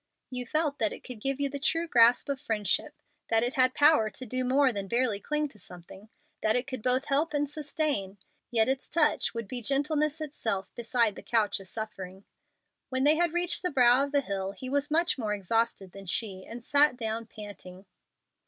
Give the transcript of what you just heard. You felt that it could give you the true grasp of friendship that it had power to do more than barely cling to something that it could both help and sustain, yet its touch would be gentleness itself beside the couch of suffering. When they had reached the brow of the hill he was much more exhausted than she, and sat down panting.